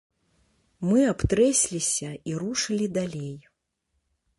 Мы абтрэсліся і рушылі далей.